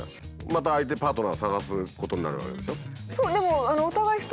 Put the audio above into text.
また相手パートナーを探すことになるわけでしょ？